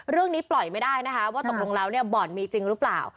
เรื่องนี้ปล่อยไม่ได้นะคะว่าตกลงแล้วเนี่ยบ่อนมีจริงหรือเปล่า